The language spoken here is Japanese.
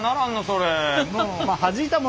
それ。